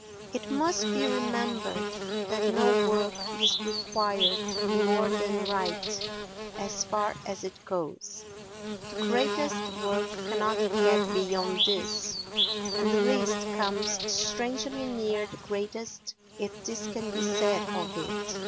It must be remembered that no work is required to be more than right as far as it goes; the greatest work cannot get beyond this and the least comes strangely near the greatest if this can be said of it.